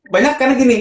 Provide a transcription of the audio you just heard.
banyak kan gini